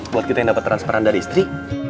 buat kita yang dapat transparan dari istri